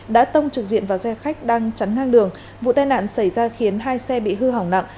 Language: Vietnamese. đã tông trực diện vào xe khách đang chắn ngang đường vụ tai nạn xảy ra khiến hai xe bị hư hỏng nặng